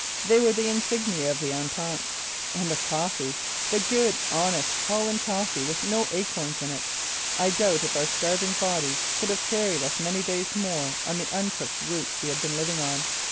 They were the insignia of the entente. And the coffee! The good, honest, Holland coffee with no acorns in it! I doubt if our starving bodies could have carried us many days more on the uncooked roots we had been living on.